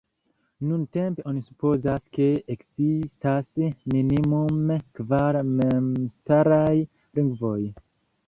Nuntempe oni supozas, ke ekzistas minimume kvar memstaraj lingvoj.